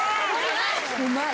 うまい！